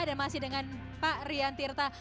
dan masih dengan pak rian tirta